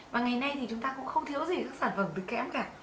và ngày nay thì chúng ta cũng không thiếu gì các sản phẩm từ kẹm cả